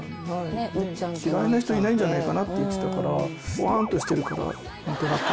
嫌いな人いないんじゃないかなって言ってたから。としてるから何となく。